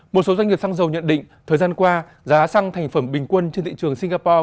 một số doanh nghiệp xăng dầu nhận định thời gian qua giá xăng thành phẩm bình quân trên thị trường singapore